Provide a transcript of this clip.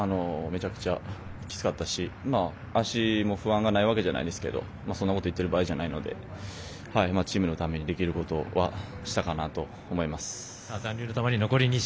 めちゃくちゃきつかったし足も不安がないわけではないですが、そんなことを言ってる場合ではありませんのでチームのためにできることをしたかなと思います。